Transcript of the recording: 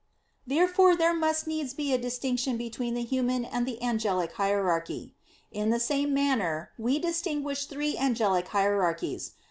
Therefore there must needs be a distinction between the human and the angelic hierarchy. In the same manner we distinguish three angelic hierarchies.